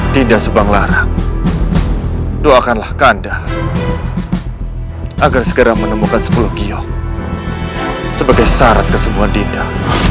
dinda subanglarang doakanlah kanda agar segera menemukan sepuluh gio sebagai syarat kesembuhan dinda